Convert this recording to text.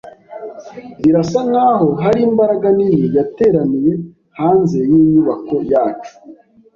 Birasa nkaho hari imbaga nini yateraniye hanze yinyubako yacu.